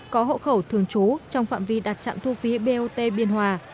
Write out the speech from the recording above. có hộ khẩu thường trú trong phạm vi đặt trạm thu phí bot biên hòa